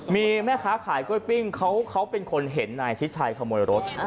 มีแม่ค้าขายกล้วยปิ้งเขาเป็นคนเห็นนายชิดชัยขโมยรถ